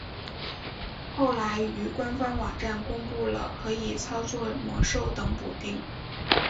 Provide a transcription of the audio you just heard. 后来于官方网站公布了可以操作魔兽等补丁。